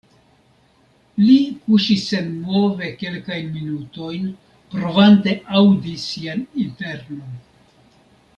Li kuŝis senmove kelkajn minutojn, provante aŭdi sian internon.